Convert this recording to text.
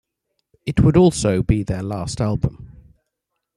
It would also be their last album.